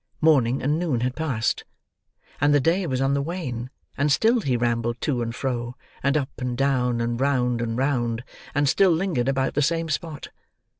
Morning and noon had passed, and the day was on the wane, and still he rambled to and fro, and up and down, and round and round, and still lingered about the same spot.